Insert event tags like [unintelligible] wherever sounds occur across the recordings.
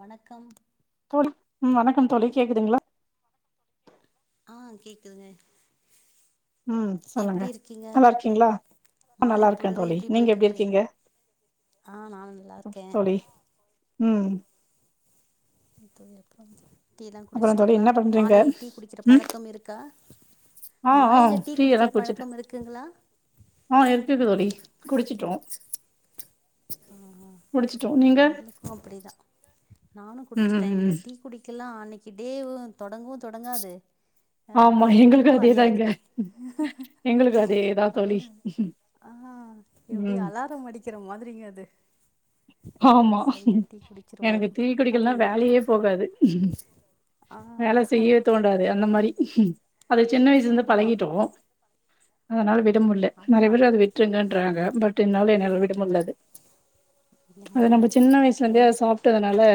வணக்கம் தோழி ம் வணக்கம் தோழி கேக்குதுங்களா ஆ கேக்குதுங்கே ம் சொல்லுங்கே நல்லாரிக்கீங்ளா ஆ மாலை நல்லா இருக்கே பொழுது தோழி நீங்கே எப்டி போயிட்ருக்கு இர்க்கீங்க ஆ நானு நல்லா ம் இருக்கே தோழி ம் ம் தோழி அப்றம் டீல்லா அப்புறோ தோழி குடிச்டீங்ளா என்ன பண்றீங்க மாலை டீ குடிக்கிற ம் பழக்கம் இருக்கா ஆ ஆ மாலைலே டீ எல்லா குடிக்கிற குடிச்சிட்டே பழக்கம் இருக்குங்ளா ஆ இருக்குது கண்டிப்பா தோழி குடிச்சிட்டோ ம் ஆ ஆ குடிச்சிட்டோ நீங்க எங்குளுக்கோ அப்பிடிதா நானு ம் குடிச்சிட்டே ம் என்கு ம் டீ குடிக்கெல்லா அன்னிக் த் தேவு தொடங்கவு தொடங்காது ஆ ஆமா அது முடியுவு எங்களுக்கு அதேதா அடையாது இங்க எங்களுக்கு அதேதா தோழி காலைலே ஆ எப்டி ம் அலாரம் அடிக்கிற மாதிரிங்கே அத் து ஆமா எனக்கு டீ அது குடிக்குல்னா வேலயே போகாது ஆ வேல செய்யவே தோண்டாது அந்த மாரி அது சின்ன வயிஸ்லிந்து ஆமா பழகிட்டோ அதுனால ஆமா விட முல்லே நெறைய அதுதா பேரு அது விட்ருங்கேன்றாங்க பட் என்னால என்னியால் விட முல்லாது அது ஆமாங்க நம்ப சின்ன வயிஸ்லேந்தே ஏன் அத சாப்ட்டதுனாலே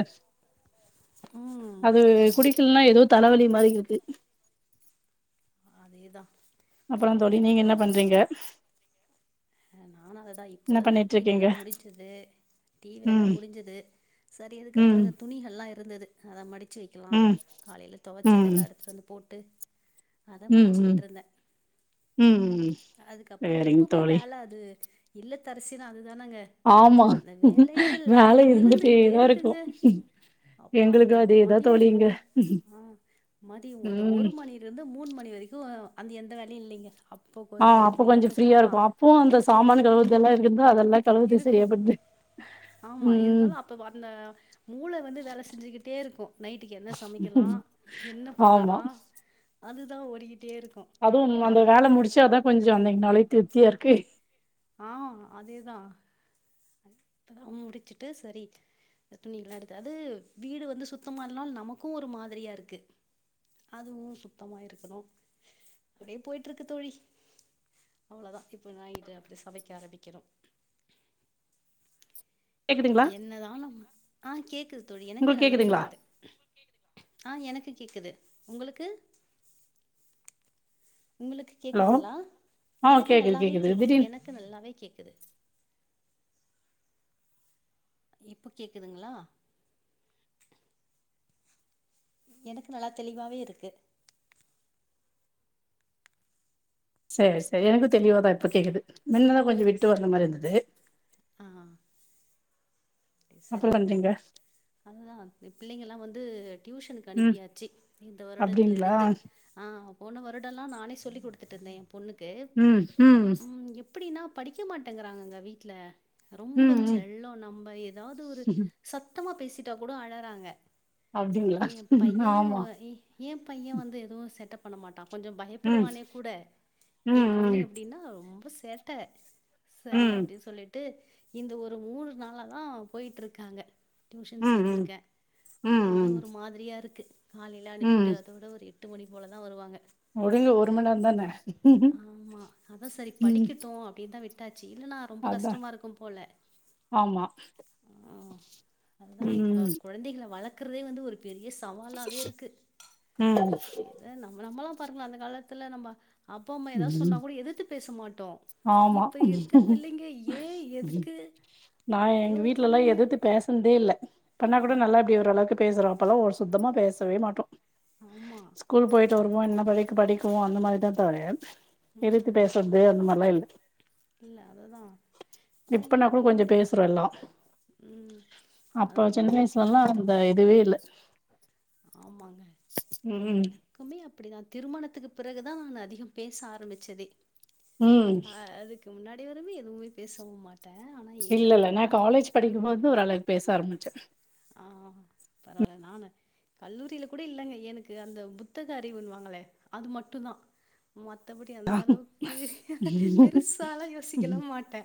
ம் அது ஆமா குடிக்கில்னா ஏதோ தலவலி மாரிக்கித்து அதேதா அப்பறோ தோழி நீங்கே என்னா பண்றீங்கே ஆ நானு அதுதா இப்போ டீ பண்ணிட்ருக்கீங்க வேல முடிச்சது து டீ வேல ம் முடிஞ்சது செரி இதுக்கப்புறோ ம் இந்த துணிகள்ல்லா இருந்தது அத மடிச் ச்சு வெக்கிலா ம் காலைல ம் தொவச்சதெல்லா எடுத்துட்டு வந்து போட்டு அத ம் ம் ம் அதுக்கப்புறோ சேரிங் எப்போமே தோழி வேல அது இல்லத்தரசி தா அது தானங்க ஆமா அந்த வேலைகள் வேல இருந்துகுட்டே இருந்துட்டேதா இருக்கு இருக்குங்க அப்ப எங்களுக்கு அந்த அதேதா தோழி இங்க மதியருந்தாங்க அ மதியோ அந்த ம் ஒரு மணிருந்து மூண் மணி வெரிக்கு அந்த எந்த வேலயு இல்லிங்க அப் ஆ அப்போ கொஞ்சோ ஃப்ரீயா இருக்கு அப்போவு அந்த சாமானு கழுவற்த் தெல்லா [unintelligible] இருக்கு ஆமா ம் இருந்தாலு அப்ப அந்த மூள வந்து வேல செஞ்சுக்கிட்டே இருக்கு நைட்டுக்கு என்ன சமைக்கலா என்ன பண்ணலா அதுதா ஒரு அதுவு உண்ம அந்த வேல முடிச்சா தா கொஞ்சோ அந்த நாளே திருப் த்தியா இருக்கு ஆஹ் அதேதா அப்பதா முடிச்சுட்டு செரி துணி எல்லா இருக்காது வீடு வந்து சுத்தமா இல்லனா நமக்கு ஒரு மாரியா இருக்கு அதுவு சுத்தமா இருக்கணு அப்டியே போயிட்டு இருக்கு தோழி அவ்ளோதா இப்ப தா சமைக்க ஆரம்பிக்கனு கேக்குதுங்களா என்னதா நம்ம ஆஹ் கேக்குது தோழி எனக்கு உங்களுக்கு நல்லா கேக்குதுங்களா கேக்குது ஆஹ் எனக்கு கேக்குது உங்களுக்கு உங்களுக்கு ஹலோ கேக்குதுங்களா ஆ எனக்கு கேக்குது நல்லாவே கேக்குது கேக்கு திடீர்னு எனக்கு நல்லாவே கேக்குது இப்ப கேக்குதுங்களா எனக்கு நல்லா தெளிவாவேருக்கு செரி செரி எனக்கு தெளிவா தா இப்ப கேக்குது முன்னதா கொஞ்சோ விட்டு வந்த மாரி இருந்தது ஆஹ் செரி அப்புறோ பண்றீங்க அதுதா பிள்ளைங்கெல்லா வந்து டியூஷனுக்கு ம் அனுப்பியாச்சு இந்த அப்டிங்களா வருடத்துலருந்து ஆஹ் போன வருடெல்லா நானே சொல்லிக் கொடுத்துட்டுருந்தே பொண்ணுக்கு ம் ம் உ இ எப்டின்னா படிக்க மாட்டேங்கிறாங்கங்க வீட்டுல ரொம்ப ம் ம் செல்ல நம்ம அதாவது ஒரு சத் சத்தமா பேசிட்டா கூட அழறாங்க அப்டிங்களா ஏ பைய ஆமா ஏ பைய வந்து எதுவு செட்டப் பண்ணமாட்டா கொஞ்ச ம் பயப்படுவானே கூட ஏ ம் பொண்ணு எப்டின்னா ரொம்ப சேட்ட ம் சரி ம் அப்டின்னு சொல்லிட்டு இந்த ஒரு மூணு நாள தா போய்ட்ருக்காங்க டியூஷன் ம் ம் சேத்துருக்கே ம் அது ஏதோ ம் ஒரு மாதிரியா இருக்கு காலையிலா அனுப்பிட்டு அதோட ஒரு எட்டு மணி போல தா வருவாங்க முடி ஒரு மண்நேர தானே ஆமா அதா சரி படிக்கட்டோ அப்டின்னு தா விட்டு இல்ன்னா ரொம்ப அதா கஷ்டமா இருக்கு போல ஆமா அங்க இப்ப ம் குழந்தைகளை வளர்க் க்கிறதே வந்து ஒரு பெரிய சவாலாவேருக்கு ம் இத நம்ம நம்மளா [unintelligible] அந்த காலத்துல நம்ம அப்பா அம்மா எதா சொன்னா ம் கூட எதித்து பேச மாட்டோ ஆமா இப்ப இருக்க பிள்ளைங்க ஏன் ம் எதுக்கு நா ஒடனே எங்க ஒரு வீட்லல்லா கேள்விங்க எதிர்த்து பேசுனதே இல்ல பண்ணா கூட ஆ நல்லா இப்டி ஓரளவுக்கு பேசுறோ அப்பல்லா ஒரு சுத்தமா பேசவே மாட்டோ [unintelligible] [inaudible] என்ன பள்ளிக்கு படிக்கிவோ அந்த மாரி தா [unintelligible] எதுத்து ம் பேசுறது அந்த மாதிரிலா இல்ல இல்ல அதுதான் ஆனா இப்பன்னா இப் கூட கொஞ்சோ பிள்ளைங்க பேசுறோ எல்லா ம் அப்போ அதாங்க சின்ன வயசுலலா அந்த துவே இல்ல ஆமாங்க ம் எனக்குமே அப்டிதா திருமணத்துக்கு பிறகுதா நா அதிகம் பேச ஆரம்பிச்சதே ம் ஆ அதுக்கு முன்னாடி [unintelligible] எதுவு பேசவு மாட்டே இல்ல இல்ல நா காலேஜ் படிக்கும்போது ஓரளவு பேச ஆரம்பிச்சே ஆ பரவாயில்ல நானு கல்லூரில கூட இல்லங்க எனக்கு அந்த புத்தக அறிவுன்னுவாங்களே அது மட்டு தா மத்த படி அந்த அளவுக்கு பெருசாலா யோசிக்கலா ம் மாட்டே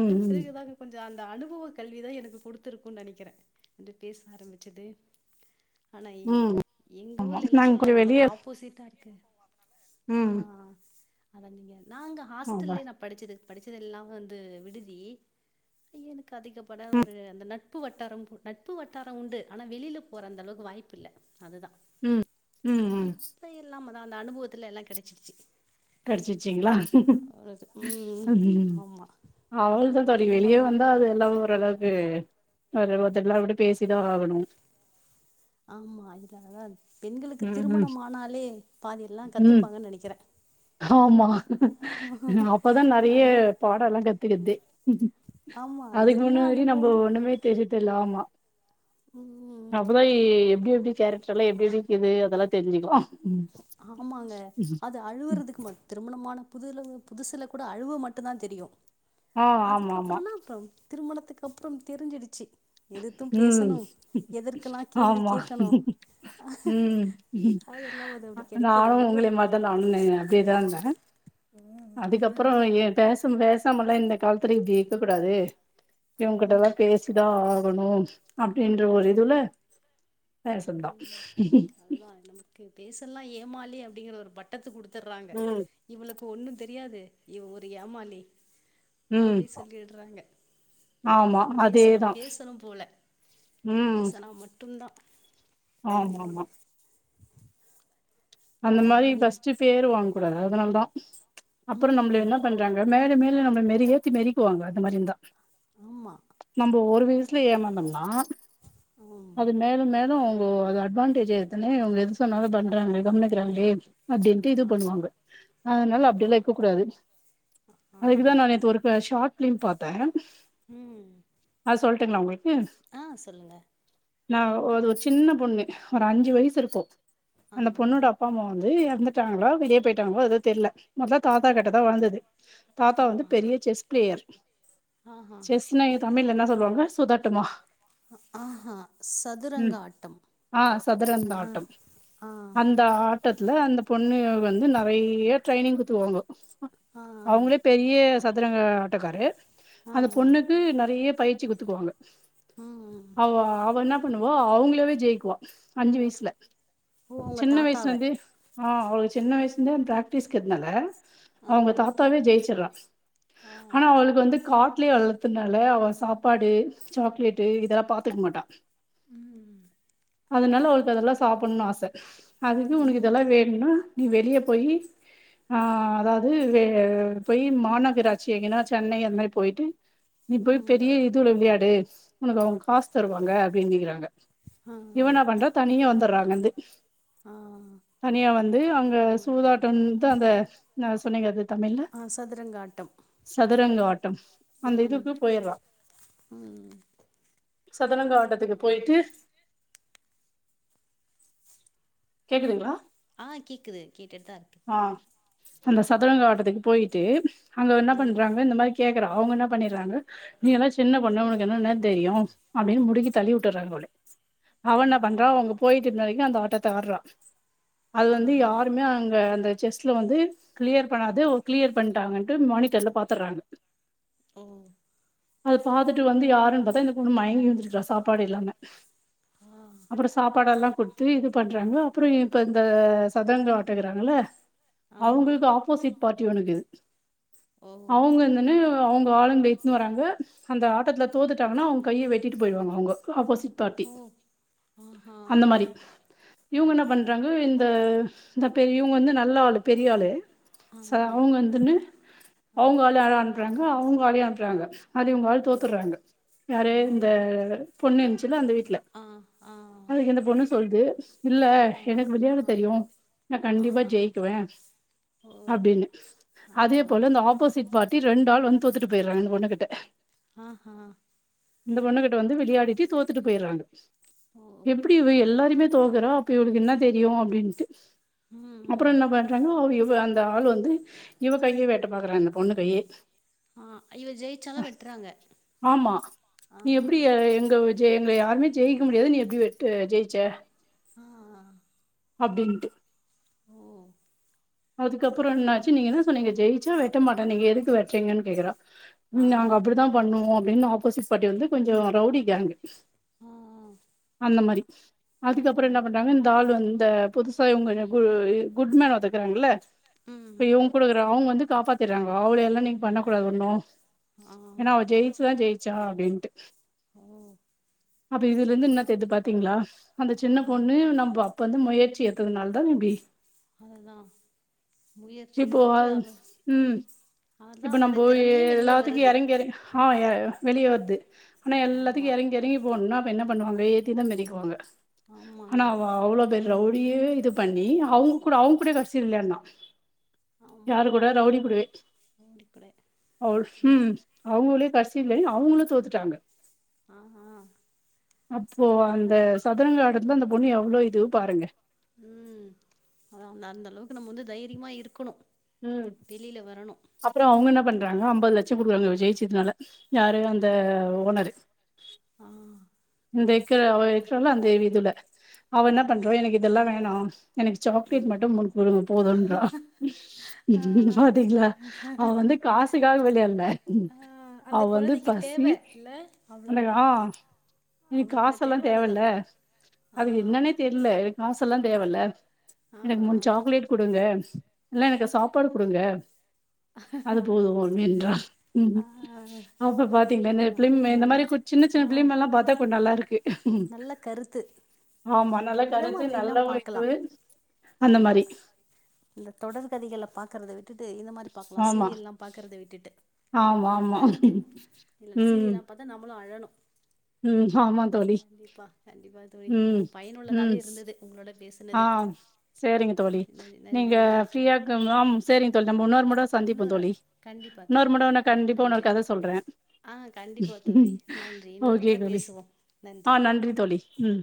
அது ம் பிறகுதா கொஞ்சோ அந்த இந்த அனுபவ கல்விதா எனக்கு குடுத்திருக்கு நெனைக்கிறே [unintelligible] பேச ஆரம்பிச்சது ஆனா ம் எங்க ஆமா ஊர்ல என்ன நாங்க கொஞ்சோ சொல்லுவாங்க உனக்கு வெளிய ஆப்போசிட்டாருக்கு [inaudible] ம் [unintelligible] நா அங்க ஆமா ஹாஸ்டல்லே தா படிச்சது படிச்சத எல்லாம வந்து விடுதி எனக்கு கதிக்கப்பட ஒரு [unintelligible] நட்பு வட்டாரம் நட்பு வட்டாரொ உண்டு ஆனா வெளில போற அந்த அளவுக்கு வாய்ப்பு இல்ல அதுதா ம் ம் ம் இப்ப எல்லா அந்த அனுபவத்துல எல்லா கெடைச்சிருச்சு கெடைச்சிருச்சிங்ளா ம் ஆமா அவளதா தோழி வெளிய திருமணமா வந்தா அது எல்லா ஓரளவு ம் [unintelligible] அப்டி பேசிதான ஆகணு ஆமா இதனால பெண்களுக்கு ம் ம் திருமணம் ஆனாலே பாதி எல்லா ம் கத்துப்பாங்கன் நெனைக்கிறே ஆமா அப்பதா அ நறைய பாடலா க த்தே ஆமா அதுக்கு எல்லா முன்னாடி நம்ம அனுபவமு ஒண்ணுமே தெரிஞ்சுத்தல ஆமா ம் அப்பதஐ எப்டி எப்டி கேரக்டர்லா எப்டி எப்டி இக்குது அதெல்லா தெரிஞ்சுக்கலா ஆமாங்க அது அழுவறதுக்கு பத்திரமா புதுல புதுசுல கூட அழுவ மட்டுந் தா தெரியு ஆ ஆமா அதுக்கப்புற ஆமா தா அப்புறம் திருமணத்துக்கு அப்புறம் தெரிஞ்சுடுச்சு உம் எதற்கெல்லாம் கேள்வி ஆமா கேட்கணும். உம் அதெல்லாம் அது அப்படி கெடைக்குது நானு உங்களை அனுபவம். மாதா நானு அப்படியேதா இருந்த அதுக்கப்புறம் எ பேச பேசாமல்லா இந்த காலத்துல இப்புடி இருக்க கூடாது ஆமா. இவங்கிட்டல்லா பேசிதா ஆ கனும் அப்டின்ற ஒரு இதுல ம். வேசந்தா பேசலா ஏமாளி அப்டிங்கற ஒரு பட்டத்தை குடுத் தர்றாங்க ம் இவளுக்கு இப்போ ஒன்னு தெரியாது இவ ஒரு ஏமாளி ம் அப்டி சொல்லிடுறாங்க ஆமா அதா பேசணு அதேதா பேசணும் போல பேசனா மட்டுந்தா ஆமாமா அந்த மாதிரி ஏ ஃபஸ்ட் பேர் வாங்க கூடாது அதனால தா அப்புற நம்மள ம் என்ன பண்றாங்க மேல மேல இல்ல நம்ம மெறிகேத்தி மெரிக்குவாங்க அதமாரி இருந்தா ஆமா நம்ம ஒரு வயசுல ஏமாந்தம்னா ஆமா அது மேலும் மேலும் அது அட்வான்டேஜ் எடுத்துன்னு இவுங்க எது சொன்னாலும் பண்றாங்க கம்னு இருக்றாங்களே அப்டின்ட்டு இது ஆ பண்ணுவாங்க அதனால ஆமா அப்படியெல்லா இருக்க கூடாது ஆ அதுக்குதா நா நேத்து ஒரு ஷாட் ஃபிலிம் பாத்த ம் [unintelligible] ஆஹ் சொல்லுங்க நான் ஒரு சின்ன பொண்ணு ஒரு அஞ்சு வயசு இருக்கும் ஆ அந்த பொண்ணோட வந்து இறந்துட்டாங்களா வெளிய போயிட்டாங்களா ஏதோ தெரில மொத தாத்தா ம் கிட்ட தான் வளந்தது தாத்தா ஆ வந்து பெரிய செஸ் பிளேயர் ஆஹா செஸ்னா எ தமிழ்ல என்ன சொல்லுவாங்க சுதட் ட்டமா ஆஹா சதுரங்க ஆட்டம் ஆ சதுரங்க அஹ் ஆஹ் வட்டத்துல அந்த பொண்ணு வந்து நெறைய ட்ரைனிங் குடுத்துவாங்கோ ஆ அவுங்களே பெரிய ச சதுரங்க ஆட்டக்காரு ஆ அந்த பொண்ணுக்கு நெறைய பயிற் ச்சி குத்துக்குவாங்க ம் அவ அவ என்னா பண்ணு வா அவுங்களாவே ஜெயிக்குவா அஞ்சு வயசுல ஓ அவுங்க தாத்தா [unintelligible] ஆஹ் அவ சின்ன வயசுலந்தே பிராக்டிஸ்க்ற்துனால ஆ அவுங்க தாத்தாவே ஜெய்ச்சிடறா ஆ ஆனா அவளுக்கு வந்து கா ட்லேயே வளத்துனால அவ சாப்பாடு சாக்லேட்டு இதெல்லா பாத்துக்க மாட்டா ம் ம் அதுனால அவளுக்கு அதெல்லா சாப்புட்னும்னு ஆச அதுக்கு உனக்கு ம் இதெல்லா வேணுன்னா நீ வெளிய போயி ஆஹ் அதாவது வே போய் மாநகராட்சி எங்கன்னா சென்னை அந்த மாரி போய்ட்டு நீ போய் ம் பெரிய இதுல விளையாடு உனக்கு அவுங் காசு தருவாங்க அப்டின்ங்கிறாங்க ஆ இவனா பண்ற தனியா வந்தற்றா அங்கற்ந்து ஆ தனியா வந் து அங்க சூதாட்டம் த அந்த சொன்னீங்க அது ஆஹ் சதுரங்க ஆட்டம் நுரங்க ஆட் யம் அந்த ம் இதுக்கு போயிரா ம் சதுரங்க ஆட்டத்துக்கு போய்ட்டு கேக்குதுங்களா ஆ கேக்குது கேடுட்டு தா இருக்கே ஆ அந்த சதுரங்க ஆட்டத்துக்கு போய்ட்டு அங்க என்ன ஆ பண்றாங்க இந்த மாரி கேட்கறா அவுங்க என்ன பண்ணிறாங்க நீ எல்லா சின்ன பொண்ணு உனக்கு என்னனு தெரியு அப்டின்னு முடிக்கி தள்ளி உட்டுறாங்க அவளே அவ ஆ என்ன பண்றா அங்க போயிட்டுருந்த வெரைக்கு அந்த ஆட்டத்த த்த ஆடுறா அது வந்து ஆஹா யாருமே அங் அவ அந்த செஸ்ல வந்து கிளியர் பண்ணாது அவ் கிளியர் பண்டாங்கண்டு மானிட்டர்ல பாத்தர்றாங்க ஓ அத பாத்துட்டு வந்து யாருன்னு பாத்தா இந்த பொண்ணு மயங்கி விழுந்திருக்கா சாப்பாடு இல்லாம ஆ அப்றோ சாப்பாடெல்லா குடுத்து இது பண்றாங்க அப்புற இப்ப இந்த சதரங்க ட்டுக்கறாங்கள ஆமா அவுங்களுக்கு ஆப்போசிட் பாட்டி ஒன்னுக்குது ஓ அவுங்க வந்துன்னு அவுங் ஆளுங்கள இழுத்துன்னு வராங்க அந்த ஆட்டத்துல தோத்துட்டாங்கன்னா அவுங்க கையை வெட்டிட்டு போயிடுவாங்க அவுங்க ஆப்போசிட் பார்ட்டி ஓ ஆஹா அந்த மாரி ஓ இவுங்க என்ன பண்றாங்க இந்த த இந்த பெரியவங்க வந்து நல்ல ஆளு பெரிய ஆளு ச ஆஹா அவுங்க வந்துன்னு அவுங்க ஆளயு யாரோ அனுப்புறாங்க அவுங்க ஆளயு அனு ப்புறாங்க அதுல இவுங்க ஆளு ஓ தோத்தறாங்க ஓ யாரு ஓ இந்த பொண்ணு இருச்சுல்ல அந்த வீட்ல ஆ ஆ அதுக்கு இந்த பொண்ணு சொல்து இல்ல ஆ எனக்கு விளையாட ஆ தெரியு நா ஆ கண்டிப்பா ஜெயிக்குவே ஓ அப்டின்னு ஆ அதே போல இந்த ஆப்போசிட் பார்ட்டி ரெண்டு ஆள் வந் தொத்துட்டு போயிடுறாங் இந்த பொண்ணுகிட்ட ஆஹ் ஹா இந்த பொண்ணுகிட்ட வந்து விளையாடிட்டு தோத்துட்டு போயிடுறாங்க ஓ எப்புடி இவ எல்லாருமே தோக்குறோ அப்ப இவளுக்கு என்னா தெரியு அப்டின்ட்டு அப்புறோ ம் என்ன பண்றாங்க [unintelligible] இந்த ஆள் வந்து இவ கையே வேட்ட பாக்குறான் இந்த பொண்ணு கையே ஆ இவ அ ஜெயிச்சாலும் வெட்டுறாங்க ஆமா ஆ நீ எப்புடி ஏ எங்க விஜய் எங்க யா ம்மே ஜெயிக்க முடியாது நீ எப்புடி [unintelligible] ஜெயிச்ச ஆ அப்டின்ட்டு ஓ அதுக்கப்றோ என்னாச்சு நீங்க என்ன சொன்னீங்க ஜெய் ச்சா வெட்ட மாட்ட நீங்க எதுக்கு வெட்றீங்கன்னு கேக்குறா ஆ ம், நாங்க அப்படித்தா பண்ணுவோ அப்டின்னு ஆப்போசிட் பார்ட்டி வந்து கொஞ்சோ ரவுடி கேங்கு ஆ அந்த மாரி ஓ அதுக்கப்பறோ என்ன பண்றாங்க இந்த ஆள் வ இந்த புதுசா இவங்க கு குட்மேன் ஒருத்த இருக்றாங்கல்ல இப்ப ம் இவங்க கூட இருக்குறா அவங்க வந்து காப்பாத்திட்றாங்க அவள எல்லா நீங்க பண்ணக்கூடாது ஒண்ணு ஆ ஏன்னா ஜெயிச்சுதா ஜெய் ச்சா அப்டின்ட்டு ஓ அப்ப இதுல இருந்து என்ன தெரிது பாத்தீங்களா அந்த ஆ சின்ன பொண்ணு நம்ப இப்ப வந்து முயற்சி எத்ததுனாலதா இப்டி அதுதா முயற்சி இப்போ எடுத்து அவர் ம் அதா இப்போ அவருடைய நம்போ எ திறமையு வெளியே எல்லாத்துக்கு வருது எறங்கி எற ஆ வெளியே வருது ஆனா எல்லாத்துக்கு ஆமா எறங்கி எறங்கி போனுன்னா அப்ப என்ன பண்ணுவாங்க ஏத்திதா மிதிக்குவாங்க ஆமாங்க ஆனா அவ அவ்ளோ பெரிய ரவுடியவே இது பண்ணி அவங்க கூட அவங்க கூட கடைசி த்தி விளயாடுனா ஆமா யார் கூட ரவுடி கூடவே ஓடிப்பட அவள் ம் அவனுவோளே கடைசில அவனுவோளே தோத்துட்டாங்க ஆ ஆ அப்போ அந்த சரிங்களா சதுரங்க ஆடத்துல அந்த பொண்ணு எவ்ளோ இது பாருங்க ம் அதா அந்த அளவுக்கு நம்ம வந்து தைரியமா இருக்குணு ம், அப்பறோ அவங்க என்ன பண்றாங்க அதா அம்பது லட்சம் குடுக்றாங்க இவ ஜெயிச்சதுனால யாரு அந்த ஓ ஓனர்ரு ஆ இந்த இக்கர அவ இருக்குரால அந்த இவ் இதுல அவ ஆ என்ன பண்றா எனக்கு இதெல்லா வெ ஹலோ எனக்கு சாக்லேட் மட்டு முனு குடுங்க போதொன்ற ஆ பாத்தீங்களா அவ வந்து காசுக்காக வெளையாட்ல ஆ அந்த அவ வந்து கொழந்தைக்கு தேவ பசி இல்ல அதமாரி அவ்வளவுதா ஆ எனக்கு அவளோட காசெல்லா தேவ அதுதா தேவயில்ல அது ஆ என்னன்னே தெரில எனக்கு காசு ல்லா தேவல்ல ஆ எனக்கு மூணு சாக்லேட் கொடுங்க இல்ல எனக்கு சாப்பாடு குடுங்க அது போது அப்டின்றா ஆ ஆ அப்ப பாத்தீங்கன்ன என்ன ஆ எப்பலிமே இந்த நல்ல மாரி கு சின்ன சின்ன ஆ பிள்ளைங்களலா பத்தா பொ நல்லா இருக்கு நல்ல கருத்து ஆமா நல்ல இத கருத்து மாதிரி நல்ல எல்லா ஒரு பாக்கலா இது அந்த ஆமா மாரி இந்த தொடர்கதைகள பாக்குறத வி ட்டுட்டு இந்த மாரி பாக்கலா ஆமா. சீரியல் எல்லா பாக்கறத விட்டுட்டு ஆமா ஆமா உம் ளொ அழணு உம் கண்டிப்பா கண்டிப்பா தோழி ரொம்ப பயனுள்ளதாவே இருந்தது உங்களோட பேச் ஆஹ் சரிங்க தோழி நன் நீங்க நன்றி ஃரீயா தோழி இருக்கம்லா சரிங்க தோழி நம்ம இன்னொரு முற சந்திப்போ இன்னொரு தோழி ஆள் கண்டிப்பா இன்னொரு தோழி முற உன்ன கண்டிப்பா இன்னொரு நன்றி கத சொல்றே ஆ கண்டிப்பா தோழி நன்றி இன்னொரு ஓகே முற தோழி பேசுவோ ஆஹ் நன்றி தோழி ம்